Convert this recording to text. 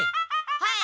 はい！